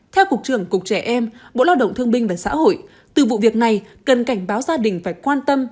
theo cục trưởng cục trẻ em bộ lao động thương binh và xã hội từ vụ việc này cần cảnh báo gia đình phải quan tâm